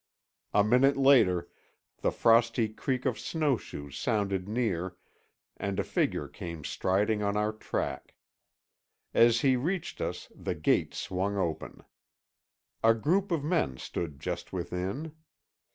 A minute later the frosty creak of snowshoes sounded near and a figure came striding on our track. As he reached us the gate swung open. A group of men stood just within.